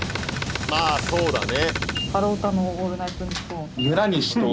まあそうだね。